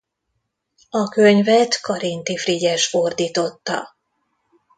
A könyvet Karinthy Frigyes fordította.